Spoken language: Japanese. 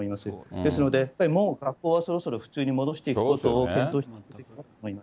ですので、やっぱりもう学校はそろそろ普通に戻していくことを検討していただきたいと思います。